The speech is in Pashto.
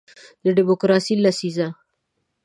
د دیموکراسۍ لسیزه